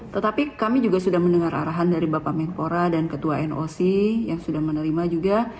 tetapi kami juga sudah mendengar arahan dari bapak menpora dan ketua noc yang sudah menerima juga